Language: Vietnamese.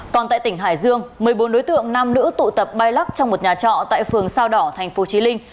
còn tại tỉnh hải dương một mươi bốn đối tượng nam nữ tụ tập bay lắc trong một nhà trọ tại phường sao đỏ tp chí linh